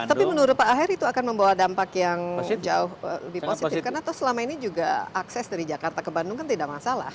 tapi menurut pak aher itu akan membawa dampak yang jauh lebih positif karena atau selama ini juga akses dari jakarta ke bandung kan tidak masalah